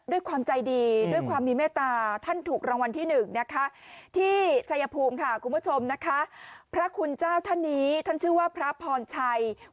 สุดท้ายแล้วพระคุณเจ้า